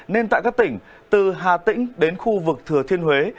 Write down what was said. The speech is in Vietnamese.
nên tại các tỉnh từ hà tĩnh đến khu vực thừa thiên huế